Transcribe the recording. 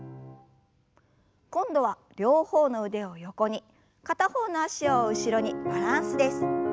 今度は両方の腕を横に片方の脚を後ろにバランスです。